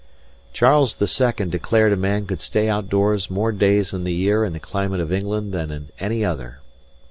Charles the Second declared a man could stay outdoors more days in the year in the climate of England than in any other.